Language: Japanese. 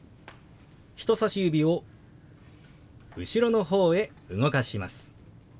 人さし指を後ろのほうへ動かします。